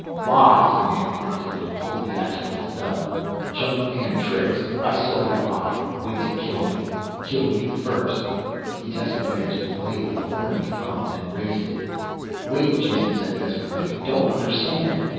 "Lies!" the man grunted, and pulled the ax from his belt. "Junkman tricks. I saw y'hide. Wait to kill me. Kill you first." He tested the edge of the blade with a horny thumb, then raised it. "Wait!" Jason said desperately. "You don't understand."